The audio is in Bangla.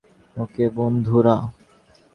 ওকে, বন্ধুরা।